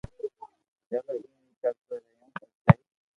چلو ايم اي ڪرتو رھيو سب سھي